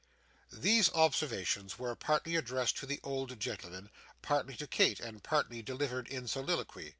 These observations were partly addressed to the old gentleman, partly to Kate, and partly delivered in soliloquy.